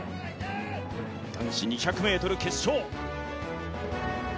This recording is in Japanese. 男子２００ｍ決勝。